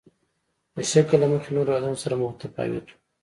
د شکل له مخې له نورو هېوادونو سره متفاوت وو.